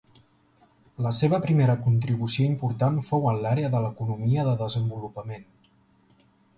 La seva primera contribució important fou en l'àrea de l'economia de desenvolupament.